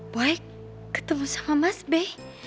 boy ketemu sama mas be